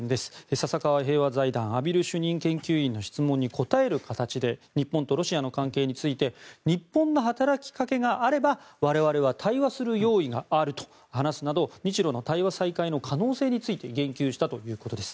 笹川平和財団畔蒜主任研究員の質問に答える形で日本とロシアの関係について日本の働きかけがあれば我々は対話する用意があると話すなど日ロの対話再開の可能性について言及したということです。